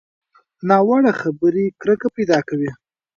ناوړه خبرې کرکه پیدا کوي